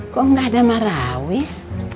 kok gak ada marawis